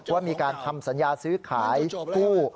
ว่ามีการทำสัญญาซื้อขายกู้